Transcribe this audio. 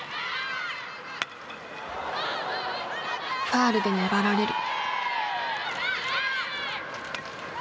ファウルで粘られる。